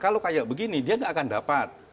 kalau kayak begini dia nggak akan dapat